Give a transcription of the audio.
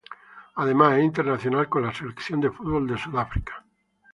Además, es internacional con la selección de fútbol de Sudáfrica.